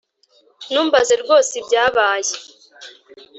Numbaze rwose ibyabaye